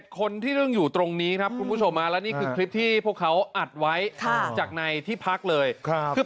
๑๑คนที่รึ่งอยู่ตรงนี้ครับคุณผู้ชมมาแล้วนี่ก็คลิปที่พวกเขาอัดไว้ค่ะจากในที่พักเลยครับ